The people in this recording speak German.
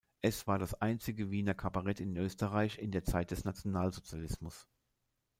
Es war das einzige Wiener Kabarett in Österreich in der Zeit des Nationalsozialismus.